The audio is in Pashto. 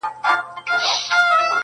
ویل ورکه یم په کورکي د رنګونو -